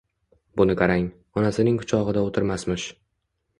Buni qarang, onasining kuchog'ida o'tirmasmish.